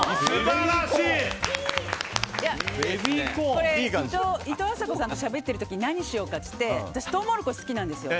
これ、いとうあさこさんとしゃべっている時何しようかと言って私、トウモロコシ好きなんですよ。